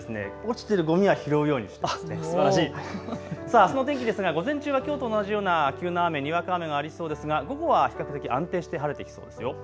あすの天気ですが午前中はきょうと同じような急な雨、にわか雨がありそうですが午後は比較的安定して晴れてきそうですよ。